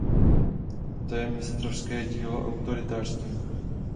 To je mistrovské dílo autoritářství.